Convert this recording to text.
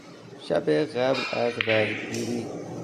شب قبل از رای گیری